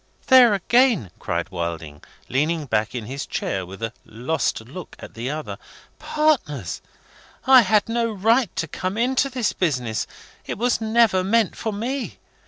"There again!" cried Wilding, leaning back in his chair, with a lost look at the other. "Partners! I had no right to come into this business. It was never meant for me.